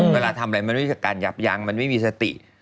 เวลาทำอะไรมันรู้สึกการยับยั้งมันไม่มีสติ